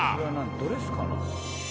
ドレスかな？